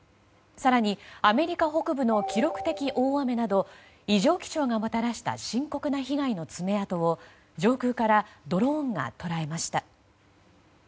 更に、アメリカ北部の記録的大雨など異常気象がもたらした深刻な被害の爪痕を上空からドローンが捉えました。